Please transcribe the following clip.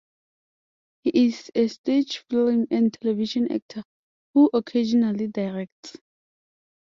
He is a stage, film and television actor, who occasionally directs.